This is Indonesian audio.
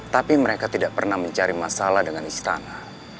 tapi mereka tidak pernah mencari masalah dengan istana